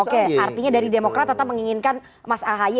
oke artinya dari demokrat tetap menginginkan mas ahaye